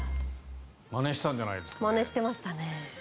まねしたんじゃないですかね。